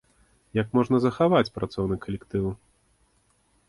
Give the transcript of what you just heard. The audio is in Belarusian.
Як можна захаваць працоўны калектыў?